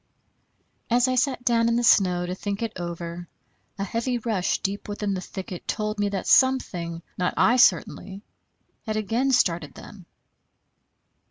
As I sat down in the snow to think it over, a heavy rush deep within the thicket told me that something, not I certainly, had again started them.